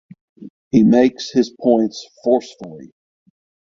He makes his points forcefully.